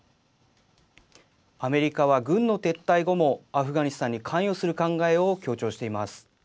アメリカは軍の撤退後もアフガニスタンに関与する考えを強調しています。